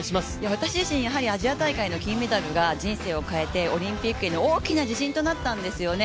私自身、アジア大会の金メダルが人生を変えてオリンピックへの大きな自信となったんですよね。